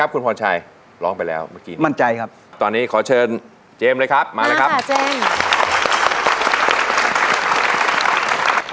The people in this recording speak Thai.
กลับมาพี่ชื่อแดงไม่นึกถึงพี่ชื่อแดงไม่นึกถึงพี่